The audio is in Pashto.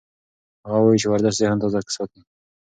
هغه وایي چې ورزش ذهن تازه ساتي.